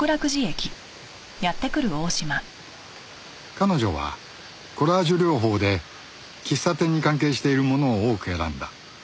彼女はコラージュ療法で喫茶店に関係しているものを多く選んだ